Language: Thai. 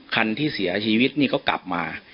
คันที่เสียชีวิตนี่ก็กลับมา